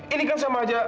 ini kan sama aja